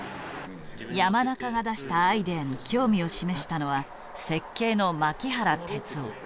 山仲が出したアイデアに興味を示したのは設計の槙原哲生。